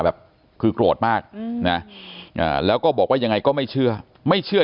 แบบคือโกรธมากนะแล้วก็บอกว่ายังไงก็ไม่เชื่อไม่เชื่อ